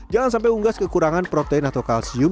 jangan sampai unggas kekurangan protein atau kalsium